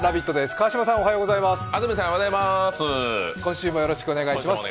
川島さん、よろしくお願いします。